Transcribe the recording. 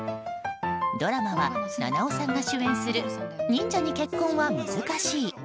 ドラマは菜々緒さんが主演する「忍者に結婚は難しい」。